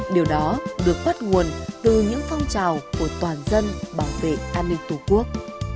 điều đó được bắt nguồn từ những phong trào của toàn dân bảo vệ an ninh tổ quốc